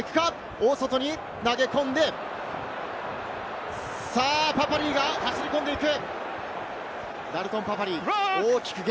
大外に投げ込んでパパリィイが走り込んでいく！